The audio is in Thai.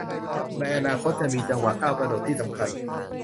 ในอนาคตจะมีจังหวะก้าวกระโดดที่สำคัญ